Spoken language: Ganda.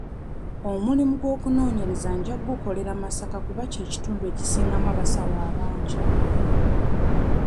Omulimu gw'okunoonyereza nja gukolera Masaka kuba kye kitundu ekisingamu abasawo abangi.